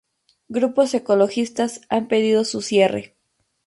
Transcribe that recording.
Grupos ecologistas han pedido su cierre.